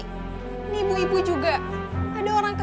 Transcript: ini ibu ibu juga